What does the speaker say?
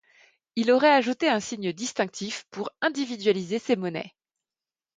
Il aurait ajouté un signe distinctif pour individualiser ses monnaies.